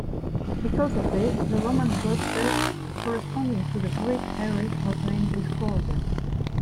Because of this, the Roman goddess corresponding to the Greek Eris was named "Discordia".